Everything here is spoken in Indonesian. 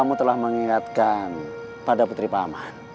kamu telah mengingatkan pada putri paman